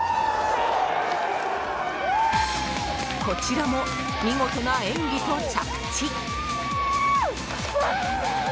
こちらも見事な演技と着地。